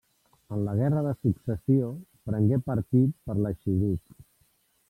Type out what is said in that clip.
En la Guerra de Successió prengué partit per l'arxiduc.